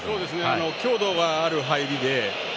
強度がある入りで。